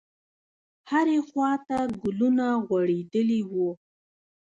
هرې خواته ګلونه غوړېدلي وو.